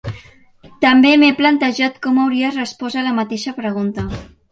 També m'he plantejat com hauria respost a la mateixa pregunta.